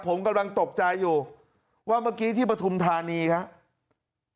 ผมกำลังตกใจอยู่ว่าเมื่อกี้ที่ปฐุมธานีครับ